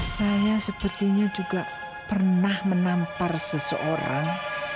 saya sepertinya juga pernah menampar seseorang